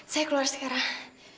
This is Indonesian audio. saya keluar sekarang